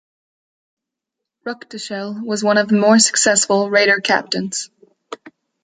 Ruckteschell was one of the more successful raider captains.